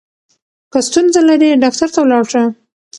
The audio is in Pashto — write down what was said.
که ستونزه لرې ډاکټر ته ولاړ شه.